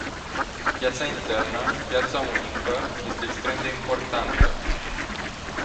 Piața internă, piața unică este extrem de importantă.